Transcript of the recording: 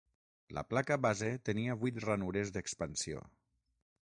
La placa base tenia vuit ranures d’expansió.